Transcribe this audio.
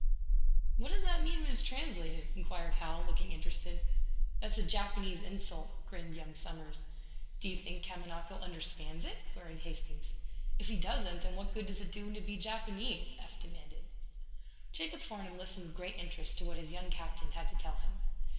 "What does that mean when it's translated?" inquired Hal, looking interested. "That's a Japanese insult," grinned young Somers. "Do you think Kamanako understands it?" queried Hastings. "If he doesn't then what good does it do him to be Japanese?" Eph demanded. Jacob Farnum listened with great interest to what his young captain had to tell him.